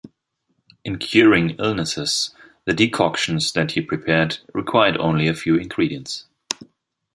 In curing illnesses, the decoctions that he prepared required only a few ingredients.